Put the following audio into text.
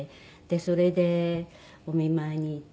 それでお見舞いに行って。